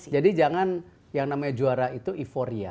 jadi jangan yang namanya juara itu euphoria